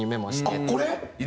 あっこれ？